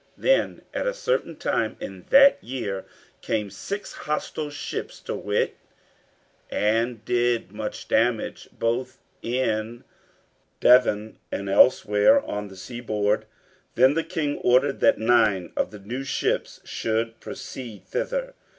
Then, at a certain time in that year, came six hostile ships to Wight, and did much damage, both in Devon and elsewhere on the seaboard. Then the King ordered that nine of the new ships should proceed thither.